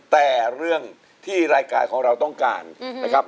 แต่เรื่องที่รายการของเราต้องการนะครับ